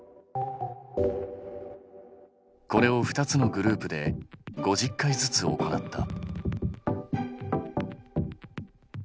これを２つのグループで５０回ずつ行った。